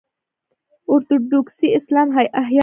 اورتوډوکسي اسلام احیا کول دي.